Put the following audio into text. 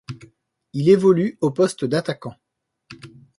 Il évolue au poste d'attaquant.